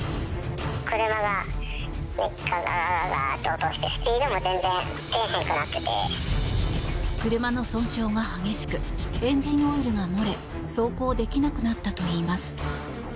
車の損傷が激しくエンジンオイルが漏れ走行できなくなったといいます。